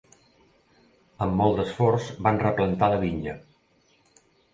Amb molt d'esforç van replantar la vinya.